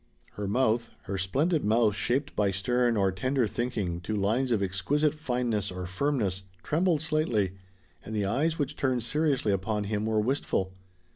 Her mouth her splendid mouth shaped by stern or tender thinking to lines of exquisite fineness or firmness trembled slightly, and the eyes which turned seriously upon him were wistful.